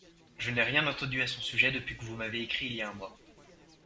Je n’ai rien entendu à son sujet depuis que vous m’avez écrit il y a un mois.